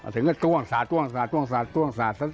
ถึงก็ตรวงสาดซัดซัดซัด